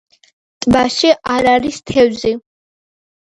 ტბაში არ არის თევზი.